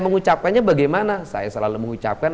mengucapkannya bagaimana saya selalu mengucapkan